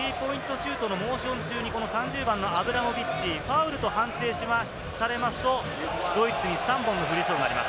シュートのモーション中に３０番のアブラモビッチ、ファウルと判定されますとドイツに３本のフリースローがあります。